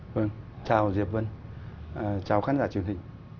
vâng chào diệp vân chào khán giả truyền hình